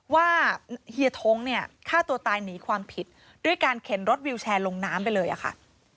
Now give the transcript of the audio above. เฮียท้งเนี่ยฆ่าตัวตายหนีความผิดด้วยการเข็นรถวิวแชร์ลงน้ำไปเลยอะค่ะ